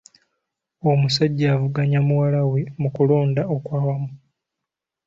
Omusajja avuganya muwala we mu kulonda okwawamu.